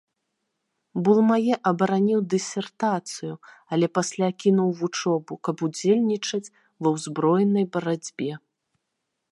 Булмае абараніў дысертацыю, але пасля кінуў вучобу, каб удзельнічаць ва ўзброенай барацьбе.